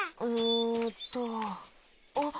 んっとあっ。